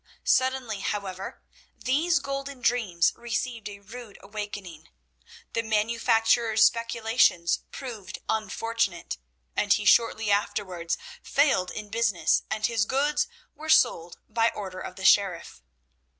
Suddenly, however, these golden dreams received a rude awakening. The manufacturer's speculations proved unfortunate, and he shortly afterwards failed in business, and his goods were sold by order of the sheriff.